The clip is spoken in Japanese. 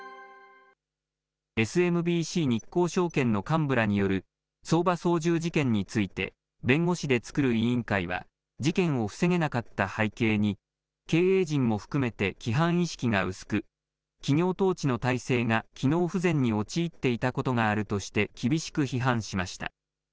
ＳＭＢＣ日興証券の幹部らによる相場操縦事件について、弁護士で作る委員会は、事件を防げなかった背景に、経営陣も含めて規範意識が薄く、企業統治の態勢が機能不全に陥っていたことがあるとして厳しく批判しました。